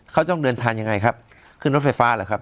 เขาต้องเดินทางยังไงครับขึ้นรถไฟฟ้าเหรอครับ